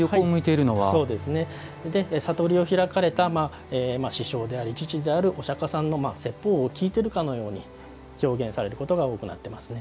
悟りを開かれた師匠であり、父であるお釈迦さんの説法を聞いているように表現されることが多くなってますね。